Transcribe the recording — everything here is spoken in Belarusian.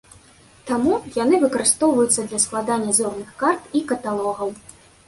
Таму яны выкарыстоўваюцца для складання зорных карт і каталогаў.